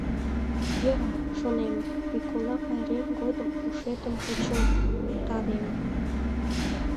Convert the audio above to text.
Йӧра, шонем, Миколо пайрем годым ушетым почылтарем.